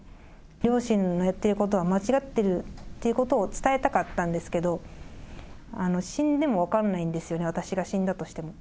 両親の言ってることは間違っているということを伝えたかったんですけど、死んでも分かんないんですよね、私が死んだとしても。